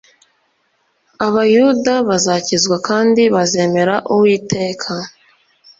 Abuyuda bazakizwa kandi bazemera Uwiteka